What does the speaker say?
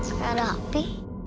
sekarang ada api